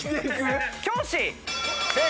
教師！